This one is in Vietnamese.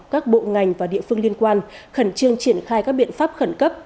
các bộ ngành và địa phương liên quan khẩn trương triển khai các biện pháp khẩn cấp